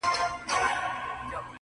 له لښكر څخه را ليري سو تنها سو!.